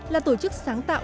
là tổ chức sáng tạo